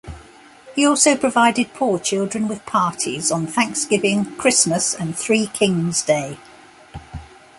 He also provided poor children with parties on Thanksgiving, Christmas and Three Kings Day.